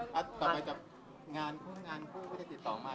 ก็ต่อไปจากงานผู้ผู้วิทยาศิษย์ต่อมา